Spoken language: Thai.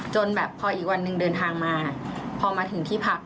จนแบบพออีกวันหนึ่งเดินทางมาพอมาถึงที่พัก